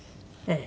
ええ。